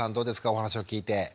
お話を聞いて。